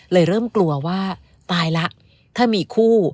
เลยเริ่มกลัวว่าตายละถ้ามีคู่